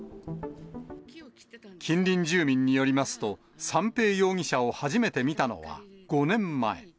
近隣住民によりますと、三瓶容疑者を初めて見たのは５年前。